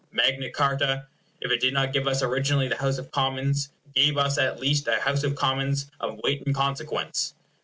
Magna Charta, if it did not give us originally the House of Commons, gave us at least a House of Commons of weight and consequence.